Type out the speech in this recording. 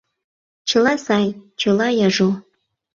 Чыла сай, чыла яжо.